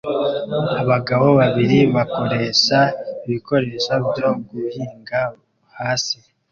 Abagabo babiri bakoresha ibikoresho byo guhinga hasi